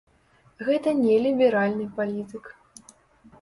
Гэта не ліберальны палітык.